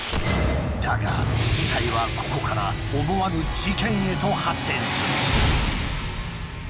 だが事態はここから思わぬ事件へと発展する。